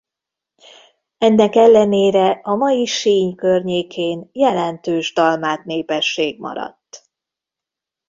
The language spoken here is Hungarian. Ennek ellenére a mai Sinj környékén jelentős dalmát népesség maradt.